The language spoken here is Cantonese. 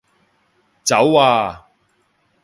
走啊